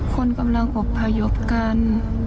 คนกำลังอบพยพกัน